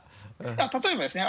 例えばですね